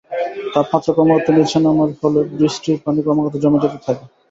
তাপমাত্রা ক্রমাগত নিচে নামার ফলে বৃষ্টির পানি ক্রমাগত জমে যেতে থাকে।